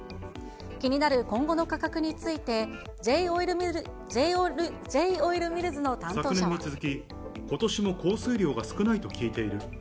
気になる今後の価格について、昨年に続き、ことしも降水量が少ないと聞いている。